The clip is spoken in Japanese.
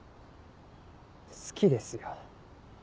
好きですよ。